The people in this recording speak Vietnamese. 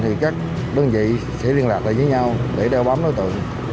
thì các đơn vị sẽ liên lạc lại với nhau để đeo bám đối tượng